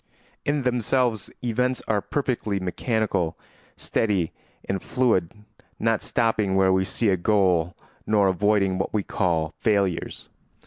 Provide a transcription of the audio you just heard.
In themselves events are perfectly mechanical, steady, and fluid, not stopping where we see a goal nor avoiding what we call failures.